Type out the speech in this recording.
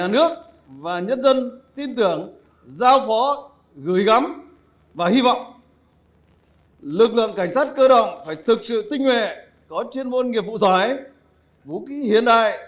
lực lượng cảnh sát cơ động phải thực sự tinh nguệ có chuyên môn nghiệp vụ giải vũ ký hiện đại